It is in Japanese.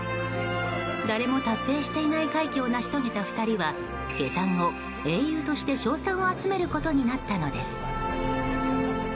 誰も達成していない快挙を成し遂げた２人は下山後、英雄として称賛を集めることになったのです。